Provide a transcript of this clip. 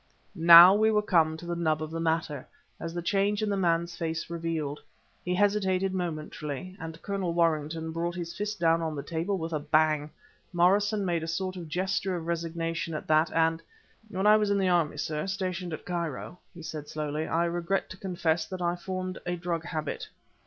Now we were come to the nub of the matter, as the change in the man's face revealed. He hesitated momentarily, and Colonel Warrington brought his fist down on the table with a bang. Morrison made a sort of gesture of resignation at that, and "When I was in the Army, sir, stationed at Cairo," he said slowly, "I regret to confess that I formed a drug habit."